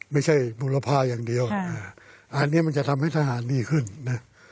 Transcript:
บุรพาอย่างเดียวอันนี้มันจะทำให้ทหารดีขึ้นนะ